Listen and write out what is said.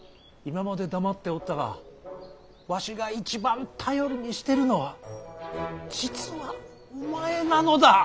今まで黙っておったがわしが一番頼りにしてるのは実はお前なのだ。